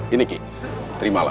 ini ki terimalah